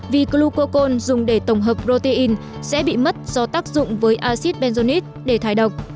vì glucocon dùng để tổng hợp protein sẽ bị mất do tác dụng với acid benzoic để thái độc